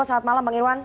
selamat malam bang irwan